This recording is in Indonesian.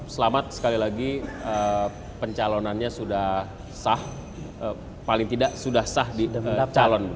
selamat sekali lagi pencalonannya sudah sah paling tidak sudah sah di calon